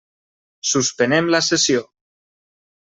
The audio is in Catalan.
Suspenem la sessió.